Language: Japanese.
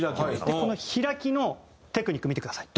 でこの開きのテクニック見てください。